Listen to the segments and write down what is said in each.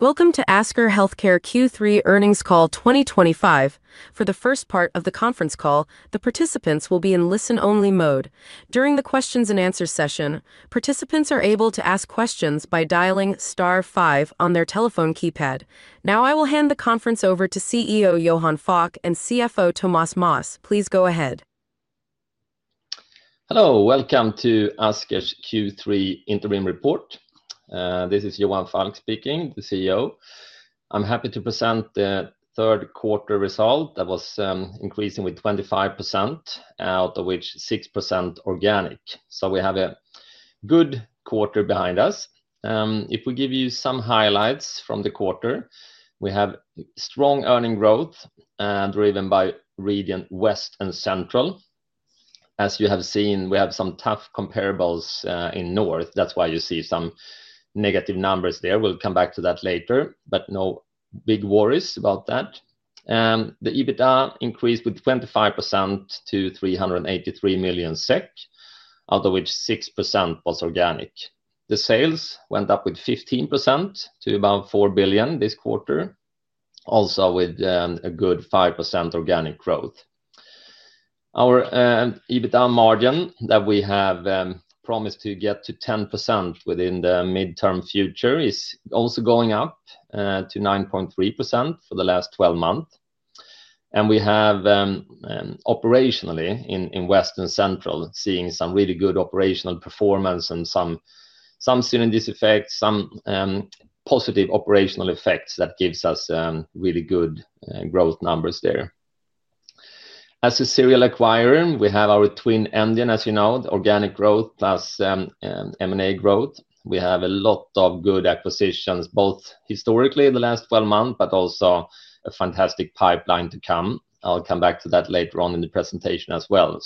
Welcome to Asker Healthcare Q3 earnings call 2025. For the first part of the conference call, the participants will be in listen-only mode. During the questions-and-answers session, participants are able to ask questions by dialing *5 on their telephone keypad. Now I will hand the conference over to CEO Johan Falk and CFO Thomas Moss. Please go ahead. Hello, welcome to Asker's Q3 Interim Report. This is Johan Falk speaking, the CEO. I'm happy to present the third-quarter result that was increasing with 25%, out of which 6% organic. So we have a good quarter behind us. If we give you some highlights from the quarter, we have strong earning growth, driven by regions West and Central. As you have seen, we have some tough comparables in North. That's why you see some negative numbers there. We'll come back to that later, but no big worries about that. The EBITDA increased with 25% to 383 million SEK, out of which 6% was organic. The sales went up with 15% to about 4 billion this quarter, also with a good 5% organic growth. Our EBITDA margin that we have promised to get to 10% within the midterm future is also going up to 9.3% for the last 12 months. We have operationally in West and Central seen some really good operational performance and some synergistic effects, some positive operational effects that give us really good growth numbers there. As a serial acquirer, we have our twin engine, as you know, organic growth plus M&A growth. We have a lot of good acquisitions, both historically in the last 12 months, but also a fantastic pipeline to come. I will come back to that later on in the presentation as well.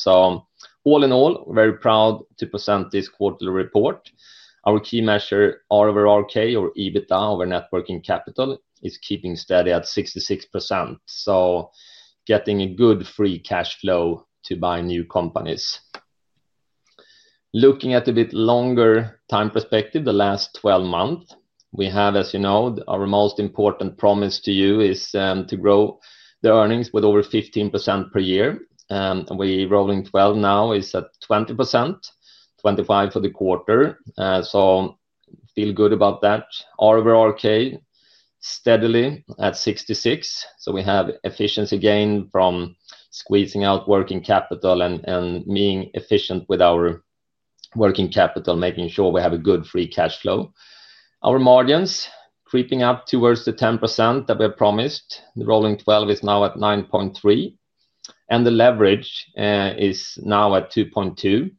All in all, very proud to present this quarterly report. Our key measure, R/RK, or EBITDA, or net working capital, is keeping steady at 66%. Getting a good free cash flow to buy new companies. Looking at a bit longer time perspective, the last 12 months, we have, as you know, our most important promise to you is to grow the earnings with over 15% per year. We're rolling 12 now is at 20%, 25% for the quarter. So. Feel good about that. R/RK. Steadily at 66%. So we have efficiency gain from squeezing out working capital and being efficient with our working capital, making sure we have a good free cash flow. Our margins creeping up towards the 10% that we have promised. The rolling 12 is now at 9.3%. And the leverage is now at 2.2.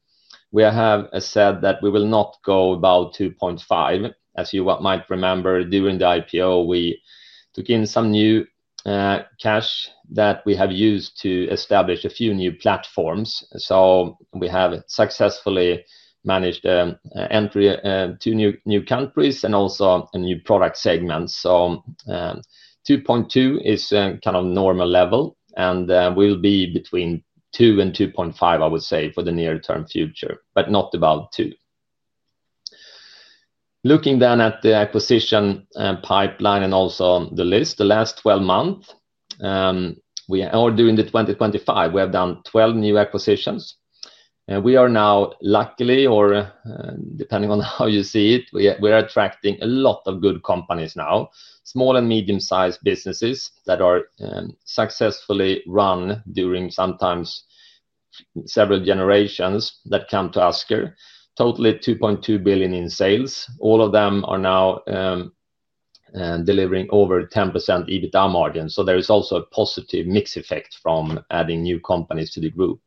We have said that we will not go above 2.5. As you might remember, during the IPO, we took in some new. Cash that we have used to establish a few new platforms. So we have successfully managed the entry to new countries and also a new product segment. So. 2.2 is kind of normal level and will be between 2 and 2.5, I would say, for the near-term future, but not above 2. Looking then at the acquisition pipeline and also the last 12 months. We are doing the 2025. We have done 12 new acquisitions. We are now, luckily, or depending on how you see it, we are attracting a lot of good companies now, small and medium-sized businesses that are successfully run during sometimes several generations that come to Asker. Totally 2.2 billion in sales. All of them are now delivering over 10% EBITDA margin. There is also a positive mix effect from adding new companies to the group.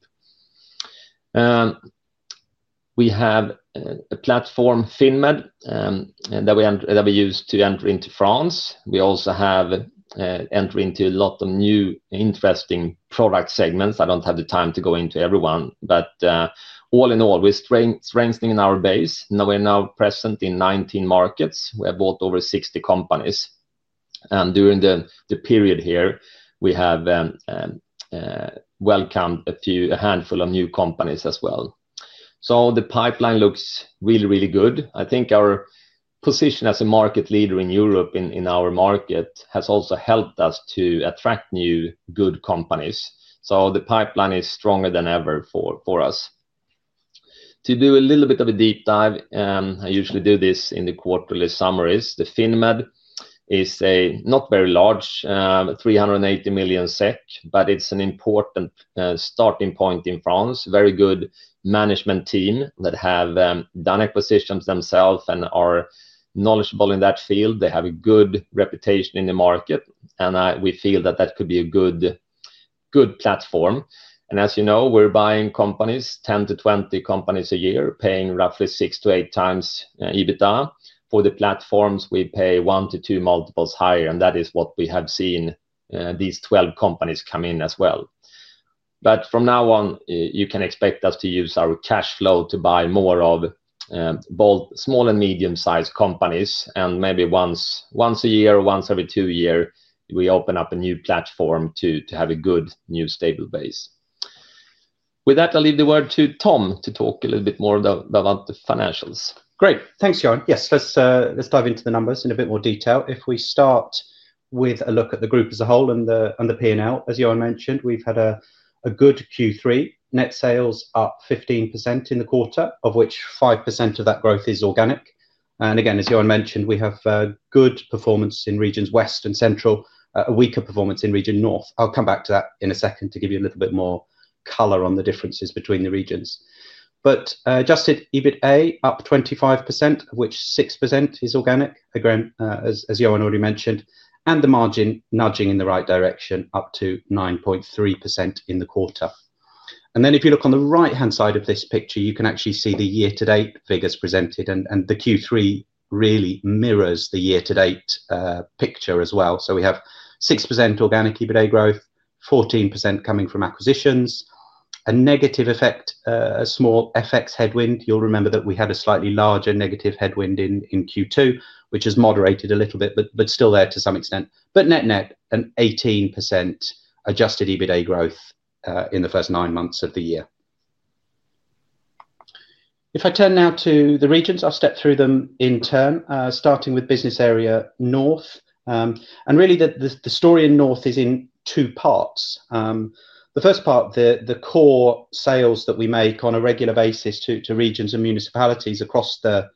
We have a platform, FINMED, that we use to enter into France. We also have entry into a lot of new interesting product segments. I do not have the time to go into everyone, but all in all, we are strengthening our base. We are now present in 19 markets. We have bought over 60 companies. During the period here, we have welcomed a handful of new companies as well. The pipeline looks really, really good. I think our position as a market leader in Europe in our market has also helped us to attract new good companies. The pipeline is stronger than ever for us. To do a little bit of a deep dive, I usually do this in the quarterly summaries. FINMED is not very large, 380 million SEK, but it is an important starting point in France. Very good management team that have done acquisitions themselves and are knowledgeable in that field. They have a good reputation in the market. We feel that that could be a good platform. As you know, we are buying companies, 10-20 companies a year, paying roughly six-eight times EBITDA. For the platforms, we pay one-two multiples higher. That is what we have seen these 12 companies come in as well. From now on, you can expect us to use our cash flow to buy more of both small and medium-sized companies. Maybe once a year or once every two years, we open up a new platform to have a good new stable base. With that, I'll leave the word to Tom to talk a little bit more about the financials. Great. Thanks, Johan. Yes, let's dive into the numbers in a bit more detail. If we start with a look at the group as a whole and the P&L, as Johan mentioned, we've had a good Q3. Net sales are 15% in the quarter, of which 5% of that growth is organic. As Johan mentioned, we have good performance in regions West and Central, a weaker performance in region North. I'll come back to that in a second to give you a little bit more color on the differences between the regions. Adjusted EBITDA, up 25%, of which 6% is organic, as Johan already mentioned, and the margin nudging in the right direction up to 9.3% in the quarter. If you look on the right-hand side of this picture, you can actually see the year-to-date figures presented. The Q3 really mirrors the year-to-date picture as well. We have 6% organic EBITDA growth, 14% coming from acquisitions, a negative effect, a small FX headwind. You will remember that we had a slightly larger negative headwind in Q2, which has moderated a little bit, but is still there to some extent. Net-net, an 18% adjusted EBITDA growth in the first nine months of the year. If I turn now to the regions, I will step through them in turn, starting with business area North. Really, the story in North is in two parts. The first part, the core sales that we make on a regular basis to regions and municipalities across the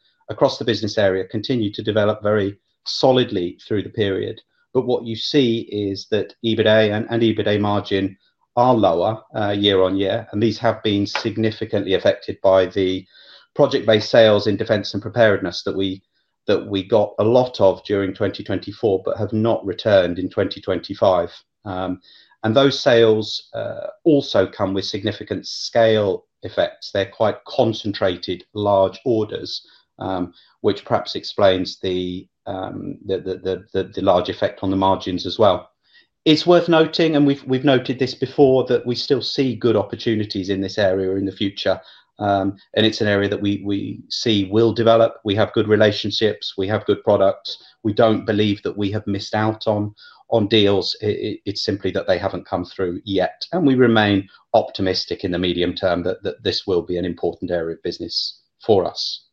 business area, continue to develop very solidly through the period. What you see is that EBITDA and EBITDA margin are lower year on year. These have been significantly affected by the project-based sales in defense and preparedness that we got a lot of during 2024, but have not returned in 2025. Those sales also come with significant scale effects. They are quite concentrated large orders, which perhaps explains the large effect on the margins as well. It is worth noting, and we have noted this before, that we still see good opportunities in this area in the future. It is an area that we see will develop. We have good relationships. We have good products. We do not believe that we have missed out on deals. It is simply that they have not come through yet. We remain optimistic in the medium term that this will be an important area of business for us.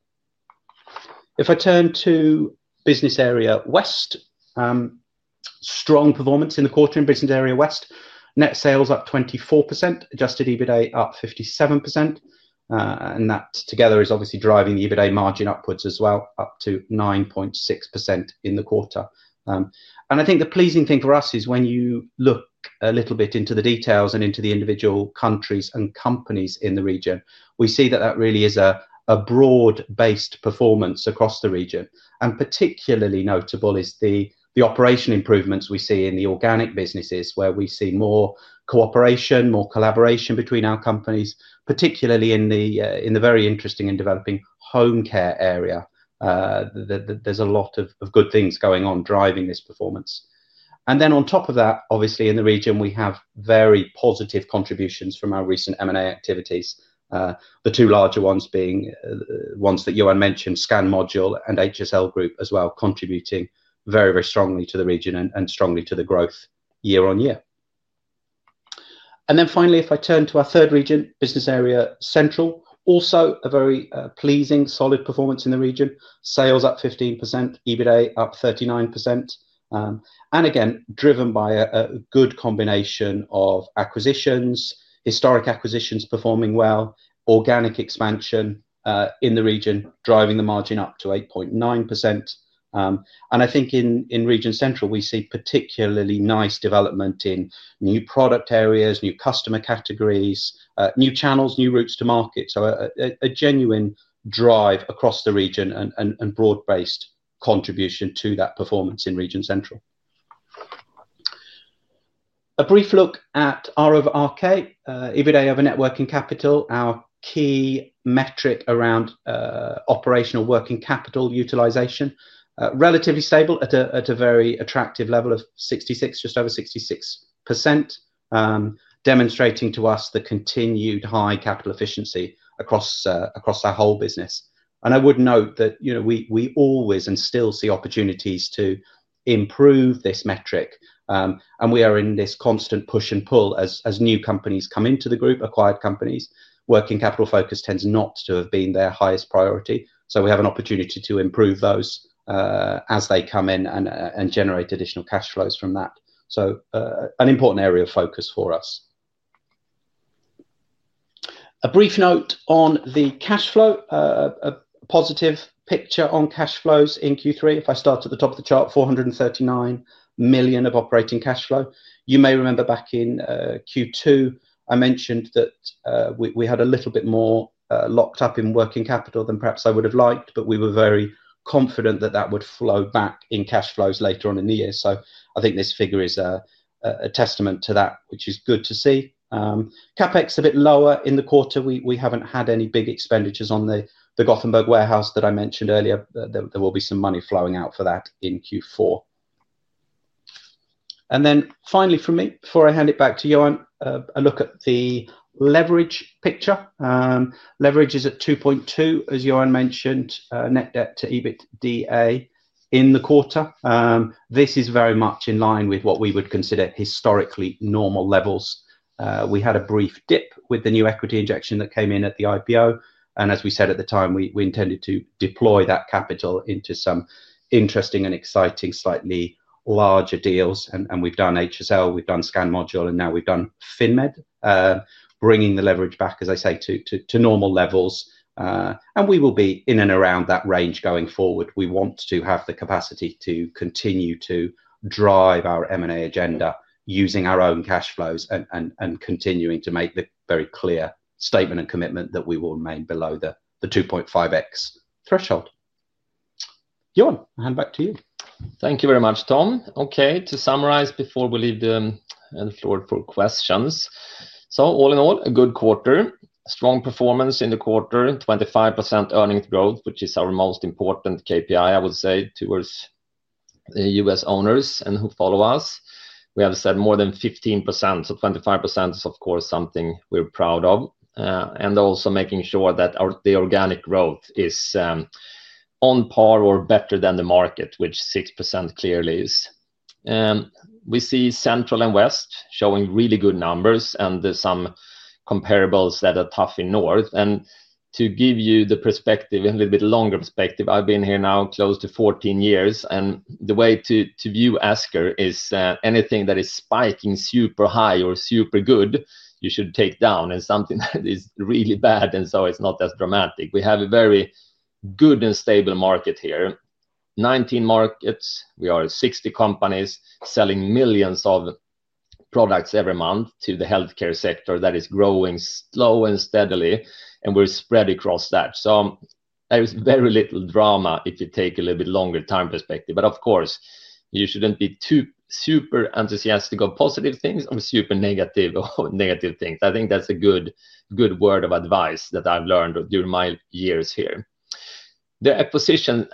If I turn to business area West, strong performance in the quarter in business area West. Net sales up 24%, adjusted EBITDA up 57%. That together is obviously driving the EBITDA margin upwards as well, up to 9.6% in the quarter. I think the pleasing thing for us is when you look a little bit into the details and into the individual countries and companies in the region, we see that that really is a broad-based performance across the region. Particularly notable is the operation improvements we see in the organic businesses, where we see more cooperation, more collaboration between our companies, particularly in the very interesting and developing home care area. There is a lot of good things going on driving this performance. On top of that, obviously, in the region, we have very positive contributions from our recent M&A activities. The two larger ones being the ones that Johan mentioned, Scan Modul and HSL Group as well, contributing very, very strongly to the region and strongly to the growth year on year. Finally, if I turn to our third region, business area Central, also a very pleasing, solid performance in the region. Sales up 15%, EBITDA up 39%. Again, driven by a good combination of acquisitions, historic acquisitions performing well, organic expansion in the region driving the margin up to 8.9%. I think in region Central, we see particularly nice development in new product areas, new customer categories, new channels, new routes to market. A genuine drive across the region and broad-based contribution to that performance in region Central. A brief look at R/RK. EBITDA over net working capital, our key metric around. Operational working capital utilization, relatively stable at a very attractive level of 66, just over 66%. Demonstrating to us the continued high capital efficiency across our whole business. I would note that we always and still see opportunities to improve this metric. We are in this constant push and pull as new companies come into the group, acquired companies. Working capital focus tends not to have been their highest priority. We have an opportunity to improve those as they come in and generate additional cash flows from that. An important area of focus for us. A brief note on the cash flow. A positive picture on cash flows in Q3. If I start at the top of the chart, 439 million of operating cash flow. You may remember back in Q2, I mentioned that. We had a little bit more locked up in working capital than perhaps I would have liked, but we were very confident that that would flow back in cash flows later on in the year. I think this figure is a testament to that, which is good to see. CapEx a bit lower in the quarter. We have not had any big expenditures on the Gothenburg warehouse that I mentioned earlier. There will be some money flowing out for that in Q4. Finally for me, before I hand it back to Johan, a look at the leverage picture. Leverage is at 2.2, as Johan mentioned, net debt to EBITDA in the quarter. This is very much in line with what we would consider historically normal levels. We had a brief d ip with the new equity injection that came in at the IPO. As we said at the time, we intended to deploy that capital into some interesting and exciting, slightly larger deals. We have done HSL, we have done Scan Modul, and now we have done FINMED. Bringing the leverage back, as I say, to normal levels. We will be in and around that range going forward. We want to have the capacity to continue to drive our M&A agenda using our own cash flows and continuing to make the very clear statement and commitment that we will remain below the 2.5x threshold. Johan, I'll hand back to you. Thank you very much, Tom. Okay, to summarize before we leave the floor for questions. All in all, a good quarter. Strong performance in the quarter, 25% earnings growth, which is our most important KPI, I would say, towards the U.S. owners and who follow us. We have said more than 15%. 25% is, of course, something we are proud of. Also making sure that the organic growth is on par or better than the market, which 6% clearly is. We see Central and West showing really good numbers and some comparables that are tough in North. To give you a little bit longer perspective, I have been here now close to 14 years. The way to view Asker is anything that is spiking super high or super good, you should take down. Something that is really bad, it is not as dramatic. We have a very good and stable market here. Nineteen markets, we are sixty companies selling millions of products every month to the healthcare sector that is growing slow and steadily. We are spread across that. There is very little drama if you take a little bit longer time perspective. Of course, you shouldn't be too super enthusiastic of positive things or super negative of negative things. I think that's a good word of advice that I've learned during my years here. The acquisition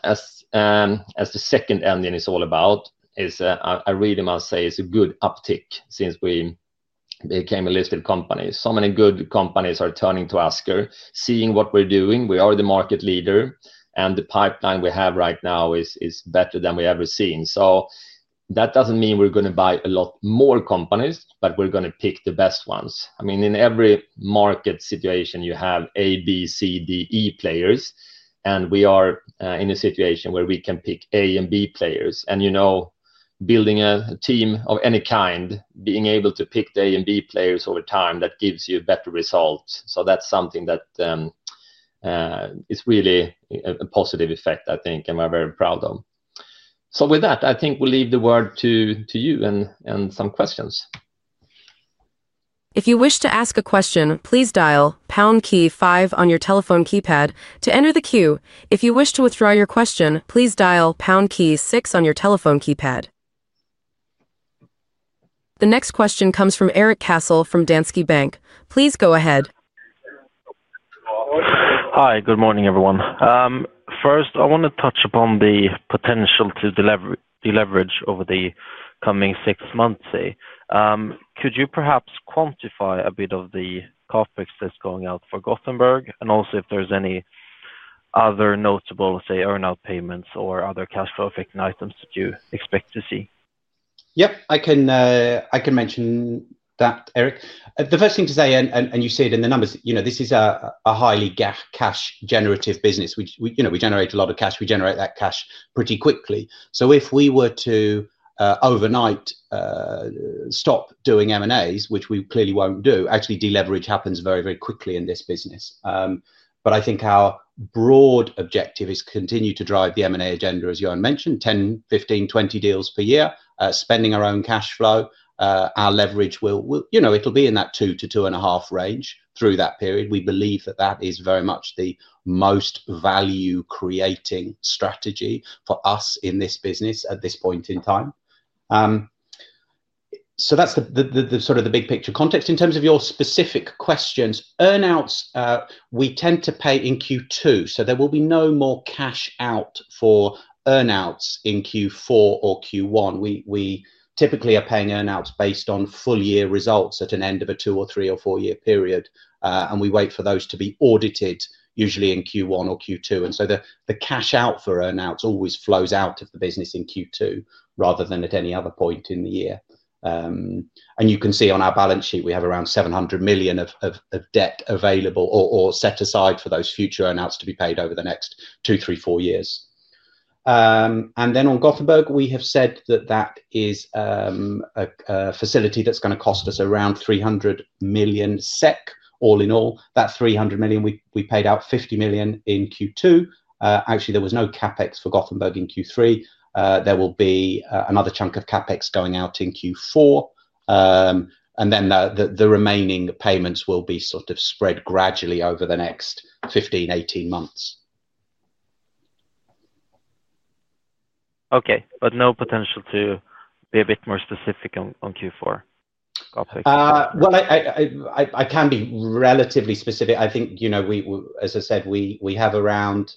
as the second engine is all about, I really must say it's a good uptick since we became a listed company. So many good companies are turning to Asker, seeing what we're doing. We are the market leader. The pipeline we have right now is better than we ever seen. That does not mean we are going to buy a lot more companies, but we are going to pick the best ones. I mean, in every market situation, you have A, B, C, D, E players. We are in a situation where we can pick A and B players. You know, building a team of any kind, being able to pick the A and B players over time, that gives you better results. That is something that is really a positive effect, I think, and we are very proud of. With that, I think we will leave the word to you and some questions. If you wish to ask a question, please dial pound key five on your telephone keypad to enter the queue. If you wish to withdraw your question, please dial pound key six on your telephone keypad. The next question comes from Erik Cassel from Danske Bank. Please go ahead. Hi, good morning, everyone. First, I want to touch upon the potential to deliver deleverage over the coming six months. Could you perhaps quantify a bit of the CapEx that's going out for Gothenburg and also if there's any other notable, say, earnout payments or other cash flow affecting items that you expect to see? Yep, I can mention that, Erik. The first thing to say, and you see it in the numbers, this is a highly cash-generative business. We generate a lot of cash. We generate that cash pretty quickly. If we were to, overnight, stop doing M&As, which we clearly will not do, actually deleverage happens very, very quickly in this business. I think our broad objective is to continue to drive the M&A agenda, as Johan mentioned, 10-15-20 deals per year, spending our own cash flow. Our leverage will, it will be in that 2-2.5 range through that period. We believe that that is very much the most value-creating strategy for us in this business at this point in time. That is sort of the big picture context. In terms of your specific questions, earnouts, we tend to pay in Q2. There will be no more cash out for earnouts in Q4 or Q1. We typically are paying earnouts based on full-year results at an end of a two or three or four-year period. We wait for those to be audited, usually in Q1 or Q2. The cash out for earnouts always flows out of the business in Q2 rather than at any other point in the year. You can see on our balance sheet, we have around 700 million of debt available or set aside for those future earnouts to be paid over the next two, three, four years. On Gothenburg, we have said that that is a facility that is going to cost us around 300 million SEK. All in all, that 300 million, we paid out 50 million in Q2. Actually, there was no CapEx for Gothenburg in Q3. There will be another chunk of CapEx going out in Q4. The remaining payments will be sort of spread gradually over the next 15-18 months. Okay, but no potential to be a bit more specific on Q4? I can be relatively specific. I think, as I said, we have around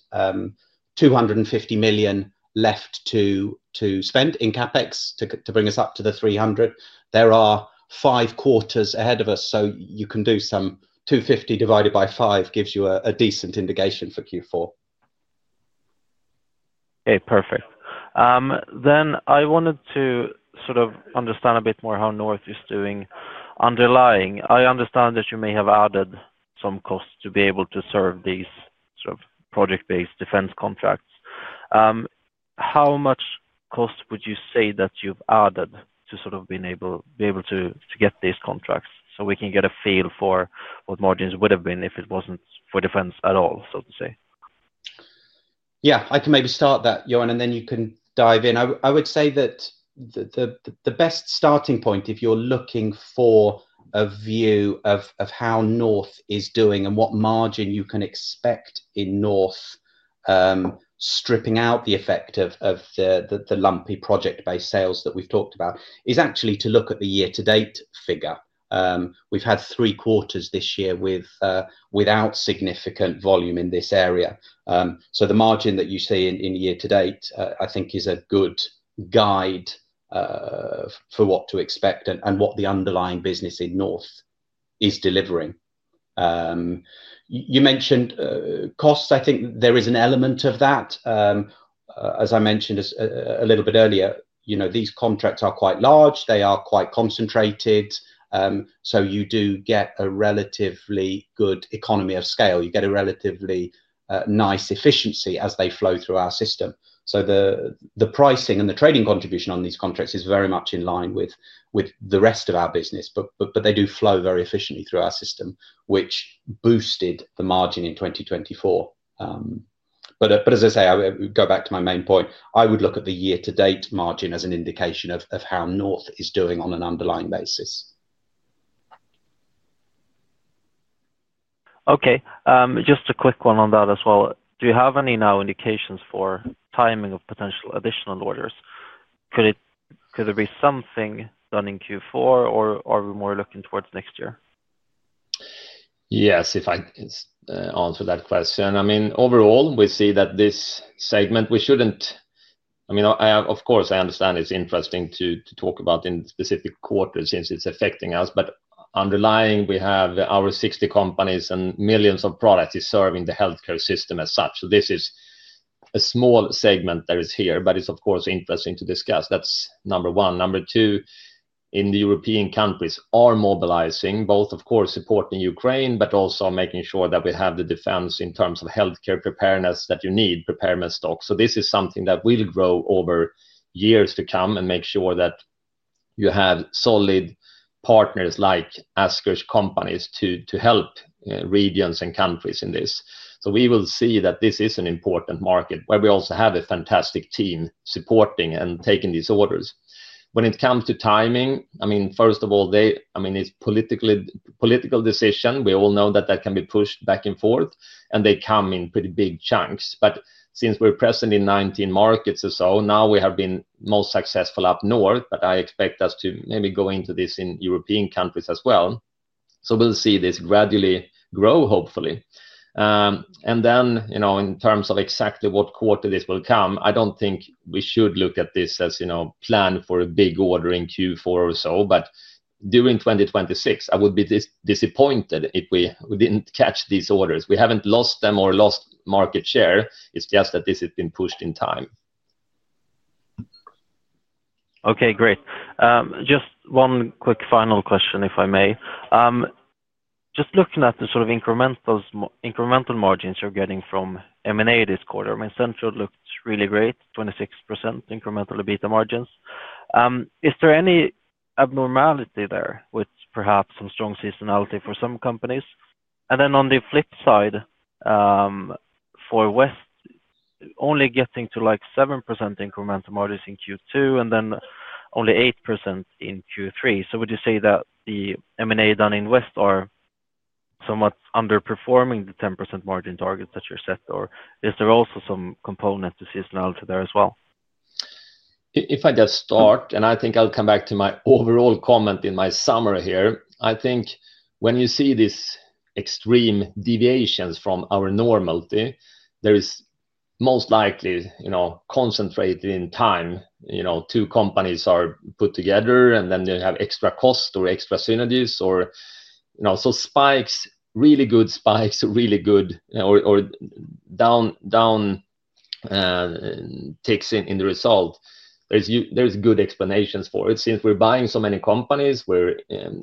250 million left to spend in CapEx to bring us up to the 300 million. There are five quarters ahead of us. You can do some 250 million divided by five gives you a decent indication for Q4. Okay, perfect. I wanted to sort of understand a bit more how North is doing underlying. I understand that you may have added some costs to be able to serve these sort of project-based defense contracts. How much cost would you say that you've added to sort of be able to get these contracts? We can get a feel for what margins would have been if it was not for defense at all, so to say. Yeah, I can maybe start that, Johan, and then you can dive in. I would say that the best starting point if you're looking for a view of how North is doing and what margin you can expect in North, stripping out the effect of the lumpy project-based sales that we've talked about, is actually to look at the year-to-date figure. We've had three quarters this year without significant volume in this area, so the margin that you see in year-to-date, I think, is a good guide for what to expect and what the underlying business in North is delivering. You mentioned costs. I think there is an element of that. As I mentioned a little bit earlier, these contracts are quite large. They are quite concentrated, so you do get a relatively good economy of scale. You get a relatively nice efficiency as they flow through our system. The pricing and the trading contribution on these contracts is very much in line with the rest of our business. They do flow very efficiently through our system, which boosted the margin in 2024. As I say, go back to my main point. I would look at the year-to-date margin as an indication of how North is doing on an underlying basis. Okay, just a quick one on that as well. Do you have any now indications for timing of potential additional orders? Could there be something done in Q4, or are we more looking towards next year? Yes, if I answer that question. I mean, overall, we see that this segment, we shouldn't—I mean, of course, I understand it's interesting to talk about in specific quarters since it's affecting us. But underlying, we have our 60 companies and millions of products serving the healthcare system as such. So this is a small segment that is here, but it's, of course, interesting to discuss. That's number one. Number two, in the European countries, are mobilizing, both, of course, supporting Ukraine, but also making sure that we have the defense in terms of healthcare preparedness that you need, preparedness stock. So this is something that will grow over years to come and make sure that you have solid partners like Asker's companies to help regions and countries in this. We will see that this is an important market where we also have a fantastic team supporting and taking these orders. When it comes to timing, I mean, first of all, it's a political decision. We all know that that can be pushed back and forth, and they come in pretty big chunks. Since we're present in 19 markets or so, now we have been most successful up north, but I expect us to maybe go into this in European countries as well. We will see this gradually grow, hopefully. In terms of exactly what quarter this will come, I don't think we should look at this as planned for a big order in Q4 or so. During 2026, I would be disappointed if we didn't catch these orders. We haven't lost them or lost market share. It's just that this has been pushed in time. Okay, great. Just one quick final question, if I may. Just looking at the sort of incremental margins you're getting from M&A this quarter, I mean, Central looked really great, 26% incremental EBITDA margins. Is there any abnormality there with perhaps some strong seasonality for some companies? On the flip side, for West, only getting to like 7% incremental margins in Q2 and then only 8% in Q3. Would you say that the M&A done in West are somewhat underperforming the 10% margin targets that you're set, or is there also some component to seasonality there as well? If I just start, and I think I'll come back to my overall comment in my summary here, I think when you see these extreme deviations from our normality, there is most likely concentrated in time. Two companies are put together, and then they have extra cost or extra synergies. Spikes, really good spikes, really good, or down ticks in the result. There's good explanations for it. Since we're buying so many companies,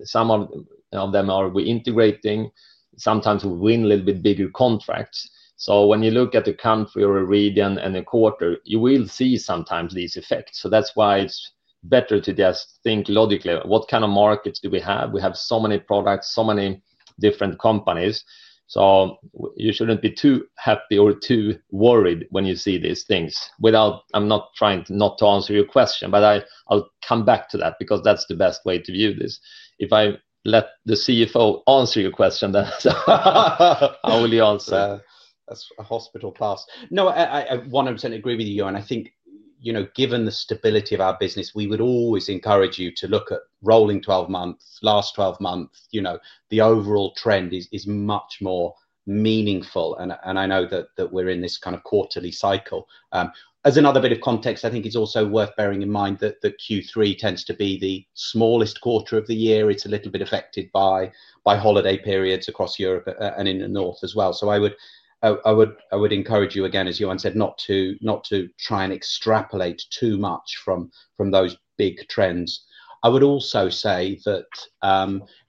some of them are we integrating, sometimes we win a little bit bigger contracts. When you look at a country or a region and a quarter, you will see sometimes these effects. That's why it's better to just think logically, what kind of markets do we have? We have so many products, so many different companies. You shouldn't be too happy or too worried when you see these things. I'm not trying not to answer your question, but I'll come back to that because that's the best way to view this. If I let the CFO answer your question, then I will answer. That's a hospital class. No, I 100% agree with you. I think given the stability of our business, we would always encourage you to look at rolling 12 months, last 12 months. The overall trend is much more meaningful. I know that we're in this kind of quarterly cycle. As another bit of context, I think it's also worth bearing in mind that Q3 tends to be the smallest quarter of the year. It's a little bit affected by holiday periods across Europe and in the north as well. I would encourage you again, as Johan said, not to try and extrapolate too much from those big trends. I would also say that.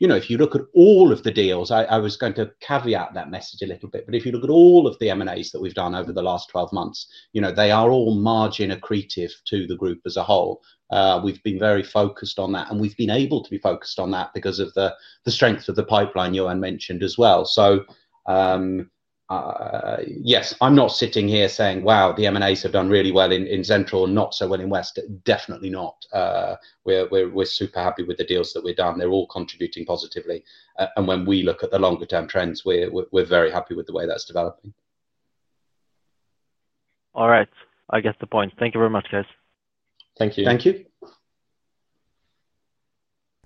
If you look at all of the deals, I was going to caveat that message a little bit, but if you look at all of the M&As that we've done over the last 12 months, they are all margin accretive to the group as a whole. We've been very focused on that, and we've been able to be focused on that because of the strength of the pipeline Johan mentioned as well. Yes, I'm not sitting here saying, wow, the M&As have done really well in Central and not so well in West. Definitely not. We're super happy with the deals that we've done. They're all contributing positively. When we look at the longer-term trends, we're very happy with the way that's developing. All right. I get the point. Thank you very much, guys. Thank you. Thank you.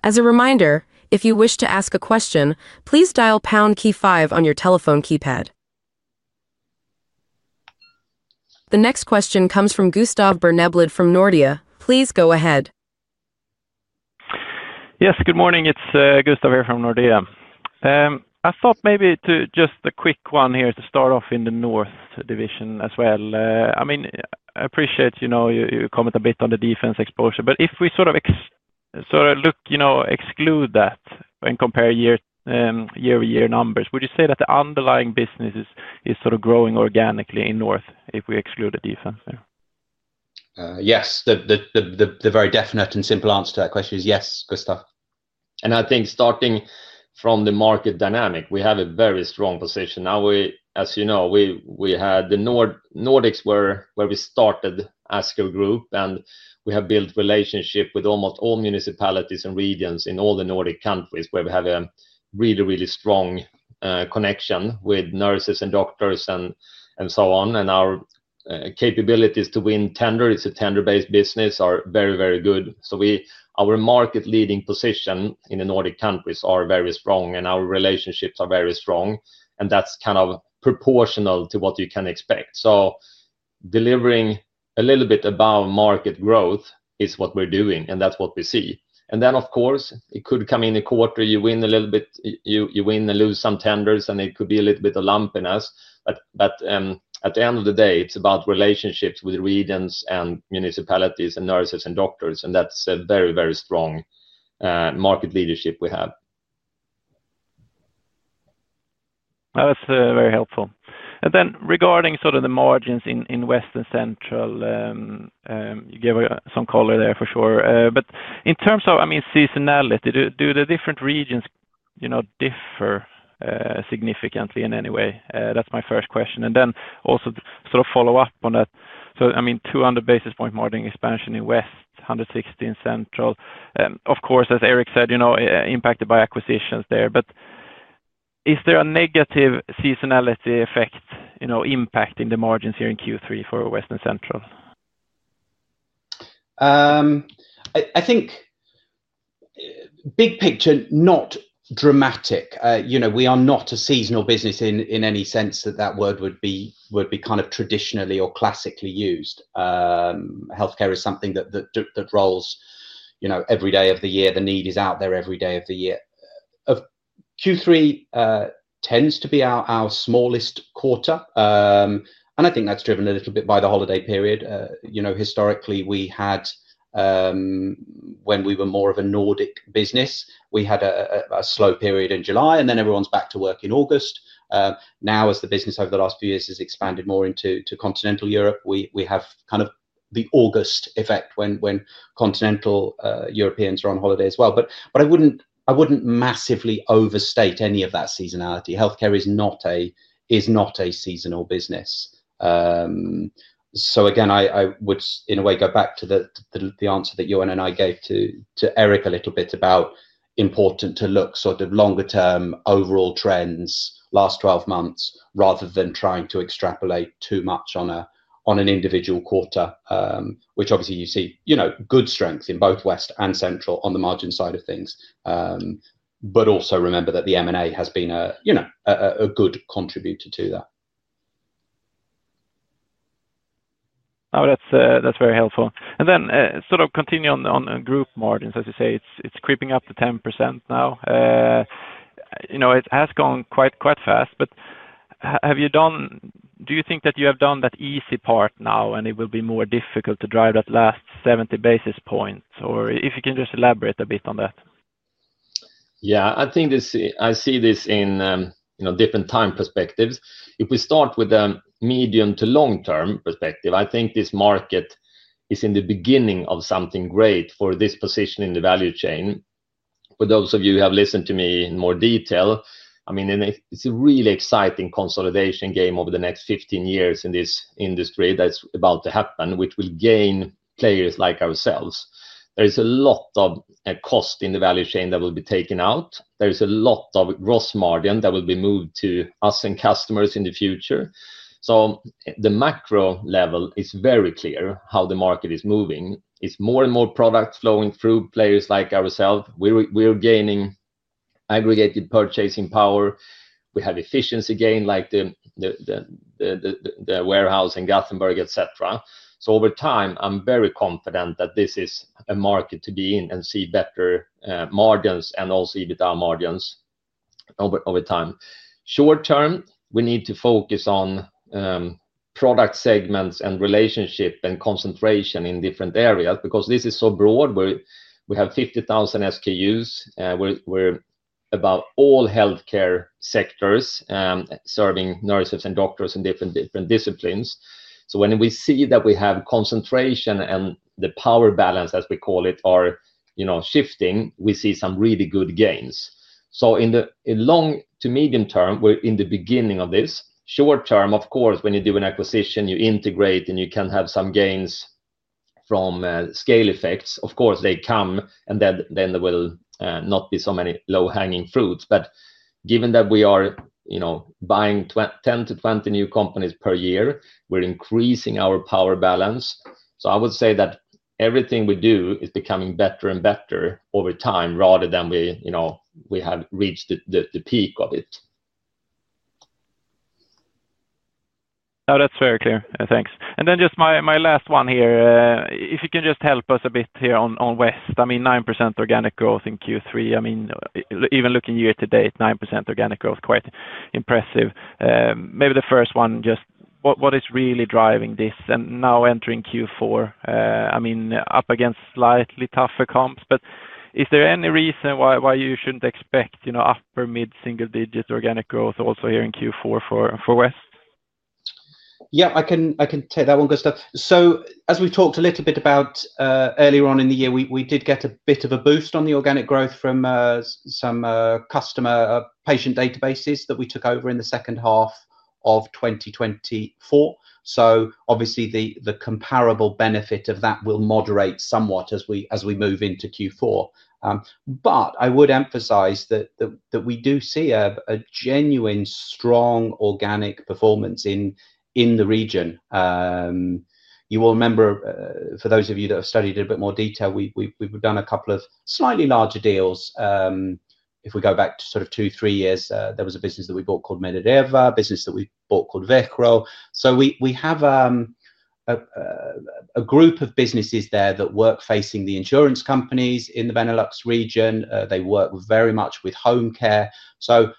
As a reminder, if you wish to ask a question, please dial pound key five on your telephone keypad. The next question comes from Gustav Berneblad from Nordea. Please go ahead. Yes, good morning. It's Gustav here from Nordea. I thought maybe just a quick one here to start off in the North division as well. I mean, I appreciate you comment a bit on the defense exposure, but if we sort of look, exclude that and compare year-to-year numbers, would you say that the underlying business is sort of growing organically in North if we exclude the defense? Yes. The very definite and simple answer to that question is yes, Gustav. I think starting from the market dynamic, we have a very strong position. As you know, we had the Nordics where we started Asker Group, and we have built relationships with almost all municipalities and regions in all the Nordic countries where we have a really, really strong connection with nurses and doctors and so on. Our capabilities to win tender, it's a tender-based business, are very, very good. Our market leading position in the Nordic countries is very strong, and our relationships are very strong. That's kind of proportional to what you can expect. Delivering a little bit about market growth is what we're doing, and that's what we see. Of course, it could come in a quarter, you win a little bit, you win and lose some tenders, and it could be a little bit of lumpiness. At the end of the day, it's about relationships with regions and municipalities and nurses and doctors. And that's a very, very strong market leadership we have. That's very helpful. Regarding sort of the margins in West and Central, you gave some color there for sure. In terms of, I mean, seasonality, do the different regions differ significantly in any way? That's my first question. Also, sort of follow up on that, I mean, 200 basis point margin expansion in West, 160 in Central. Of course, as Erik said, impacted by acquisitions there. Is there a negative seasonality effect, impact in the margins here in Q3 for West and Central? I think. Big picture, not dramatic. We are not a seasonal business in any sense that that word would be kind of traditionally or classically used. Healthcare is something that rolls every day of the year. The need is out there every day of the year. Q3 tends to be our smallest quarter. I think that's driven a little bit by the holiday period. Historically, we had, when we were more of a Nordic business, a slow period in July, and then everyone's back to work in August. Now, as the business over the last few years has expanded more into continental Europe, we have kind of the August effect when continental Europeans are on holiday as well. I wouldn't massively overstate any of that seasonality. Healthcare is not a seasonal business. Again, I would, in a way, go back to the answer that Johan and I gave to Erik a little bit about. Important to look sort of longer-term overall trends, last 12 months, rather than trying to extrapolate too much on an individual quarter, which obviously you see good strength in both West and Central on the margin side of things. Also remember that the M&A has been a good contributor to that. That's very helpful. Then sort of continuing on group margins, as you say, it's creeping up to 10% now. It has gone quite fast, but do you think that you have done that easy part now and it will be more difficult to drive that last 70 basis points? Or if you can just elaborate a bit on that. Yeah, I think I see this in different time perspectives. If we start with a medium to long-term perspective, I think this market is in the beginning of something great for this position in the value chain. For those of you who have listened to me in more detail, I mean, it's a really exciting consolidation game over the next 15 years in this industry that's about to happen, which will gain players like ourselves. There is a lot of cost in the value chain that will be taken out. There is a lot of gross margin that will be moved to us and customers in the future. The macro level is very clear how the market is moving. It's more and more product flowing through players like ourselves. We're gaining aggregated purchasing power. We have efficiency gain like the warehouse in Gothenburg, etc. Over time, I'm very confident that this is a market to be in and see better margins and also EBITDA margins. Over time, short term, we need to focus on product segments and relationship and concentration in different areas because this is so broad. We have 50,000 SKUs. We're about all healthcare sectors, serving nurses and doctors in different disciplines. When we see that we have concentration and the power balance, as we call it, are shifting, we see some really good gains. In the long to medium term, we're in the beginning of this. Short term, of course, when you do an acquisition, you integrate and you can have some gains from scale effects. Of course, they come, and then there will not be so many low-hanging fruits. Given that we are buying 10-20 new companies per year, we're increasing our power balance. I would say that everything we do is becoming better and better over time rather than we have reached the peak of it. Oh, that's very clear. Thanks. And then just my last one here. If you can just help us a bit here on West. I mean, 9% organic growth in Q3. I mean, even looking year to date, 9% organic growth, quite impressive. Maybe the first one, just what is really driving this? And now entering Q4, I mean, up against slightly tougher comps, but is there any reason why you shouldn't expect upper mid single-digit organic growth also here in Q4 for West? Yeah, I can take that one, Gustav. As we talked a little bit about earlier on in the year, we did get a bit of a boost on the organic growth from some customer patient databases that we took over in the second half of 2024. Obviously, the comparable benefit of that will moderate somewhat as we move into Q4. I would emphasize that we do see a genuine strong organic performance in the region. You will remember, for those of you that have studied it in a bit more detail, we've done a couple of slightly larger deals. If we go back to sort of two, three years, there was a business that we bought called MediReva, a business that we bought called Vegro. We have a group of businesses there that work facing the insurance companies in the Benelux region. They work very much with home care. I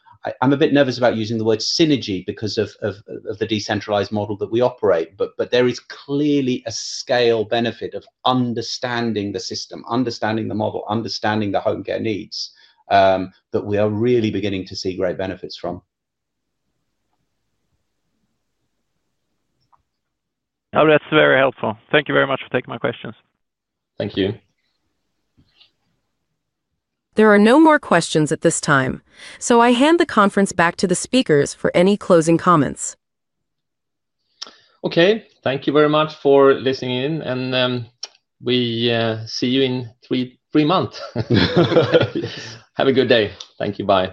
am a bit nervous about using the word synergy because of the decentralized model that we operate. There is clearly a scale benefit of understanding the system, understanding the model, understanding the home care needs. We are really beginning to see great benefits from that. That's very helpful. Thank you very much for taking my questions. Thank you. There are no more questions at this time. I hand the conference back to the speakers for any closing comments. Okay. Thank you very much for listening in. We see you in three months. Have a good day. Thank you. Bye.